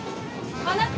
あなた。